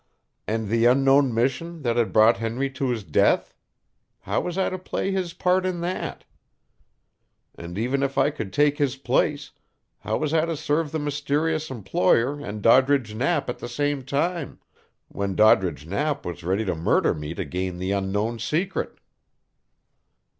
And the unknown mission, that had brought Henry to his death? How was I to play his part in that? And even if I could take his place, how was I to serve the mysterious employer and Doddridge Knapp at the same time, when Doddridge Knapp was ready to murder me to gain the Unknown's secret.